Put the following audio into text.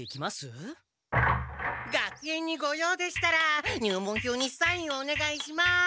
学園にご用でしたら入門票にサインをおねがいします！